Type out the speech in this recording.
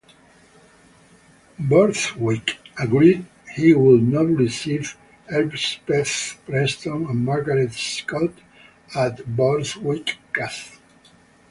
Borthwick agreed he would not receive Elspeth Preston and Margaret Scott at Borthwick Castle.